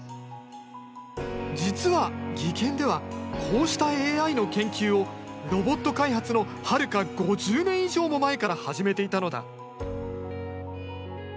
実は技研ではこうしたＡＩの研究をロボット開発のはるか５０年以上も前から始めていたのだ。